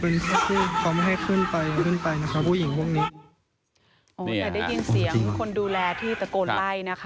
แต่ได้ยินเสียงคนดูแลที่ตะโกนไล่นะคะ